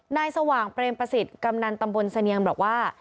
สว่างเปรมประสิทธิ์กำนันตำบลเสนียมบอกว่า